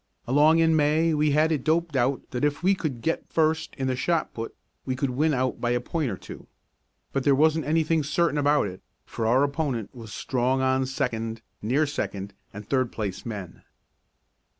Along in May we had it doped out that if we could get first in the shot put we could win out by a point or two. But there wasn't anything certain about it, for our opponent was strong on second, near "second," and third place men.